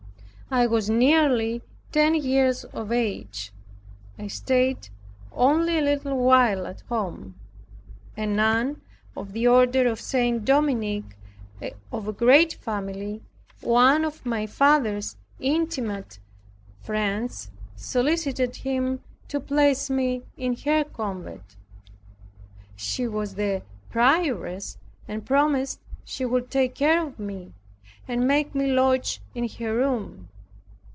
I was nearly ten years of age. I stayed only a little while at home. A nun of the order of St. Dominie, of a great family, one of my father's intimate friends, solicited him to place me in her convent. She was the prioress and promised she would take care of me and make me lodge in her room.